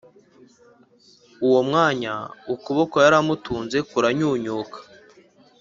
Uwo mwanya ukuboko yari amutunze kuranyunyuka